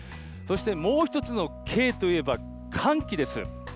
そしてもう一つのＫといえば、寒気です。